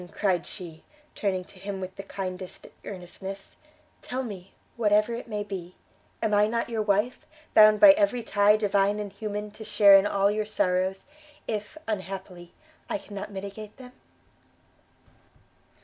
cried she, turning to him with the kindest earnestness; "tell me, whatever it may be! Am I not your wife? bound by every tie divine and human to share in all your sorrows, if, unhappily, I cannot mitigate them!"